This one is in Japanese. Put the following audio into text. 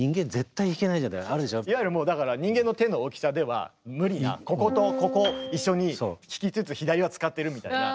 最近いわゆるもうだから人間の手の大きさでは無理なこことここ一緒に弾きつつ左は使ってるみたいな。